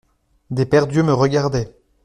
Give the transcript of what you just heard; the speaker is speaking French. Des paires d’yeux me regardaient.